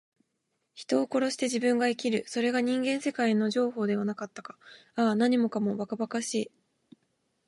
人を殺して自分が生きる。それが人間世界の定法ではなかったか。ああ、何もかも、ばかばかしい。